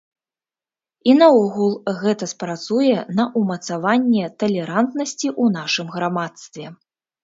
І наогул гэта спрацуе на ўмацаванне талерантнасці ў нашым грамадстве.